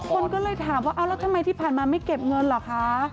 คนก็เลยถามว่าเอาแล้วทำไมที่ผ่านมาไม่เก็บเงินเหรอคะ